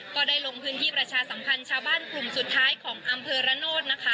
ก็ได้ลงพื้นที่ประชาสัมพันธ์ชาวบ้านกลุ่มสุดท้ายของอำเภอระโนธนะคะ